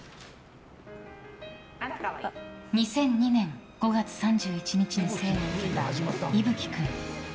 ２００２年５月３１日に生を受けたｉｖｕ鬼君。